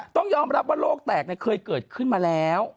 ต้องยอมรับว่าโรคแตกเคยเกิดขึ้นมาแล้ว